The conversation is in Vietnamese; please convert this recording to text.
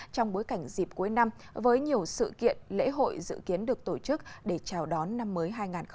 trong bối cảnh dịp cuối năm với nhiều sự kiện lễ hội dự kiến được tổ chức để chào đón năm mới hai nghìn hai mươi